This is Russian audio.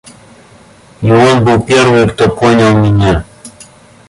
И он был первый, кто понял меня.